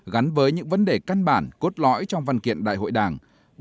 gắn với những vấn đề căn bản cốt lõi trong văn kiện đại hội đảng